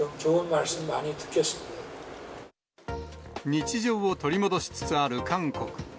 日常を取り戻しつつある韓国。